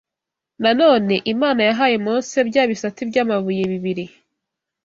Nanone Imana yahaye Mose bya bisate by’amabuye bibiri.